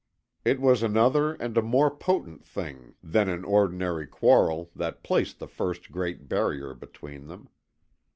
It was another and a more potent thing than an ordinary quarrel that placed the first great barrier between them.